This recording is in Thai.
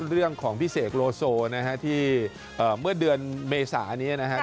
เรื่องของพี่เสกโลโซนะฮะที่เมื่อเดือนเมษานี้นะครับ